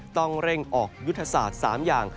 ต้องเร่งออกยุทธศาสตร์๓อย่าง